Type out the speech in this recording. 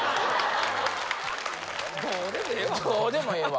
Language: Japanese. どうでもええわ！